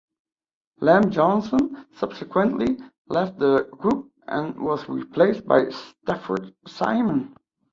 Lem Johnson subsequently left the group and was replaced by Stafford Simon.